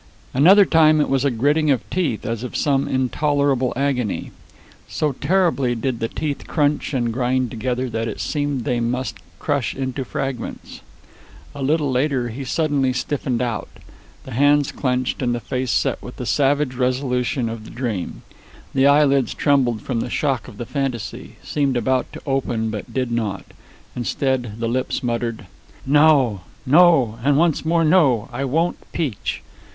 Another time it was a gritting of teeth, as of some intolerable agony. So terribly did the teeth crunch and grind together that it seemed they must crush into fragments. A little later he suddenly stiffened out. The hands clenched and the face set with the savage resolution of the dream. The eyelids trembled from the shock of the fantasy, seemed about to open, but did not. Instead, the lips muttered: "No; no! And once more no. I won't peach."